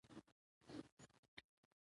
تا هم زما د زړه خبره وانه اورېده.